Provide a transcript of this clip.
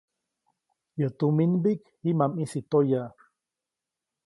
Yäʼ tuminmbiʼk jiʼ ma ʼmisi toya.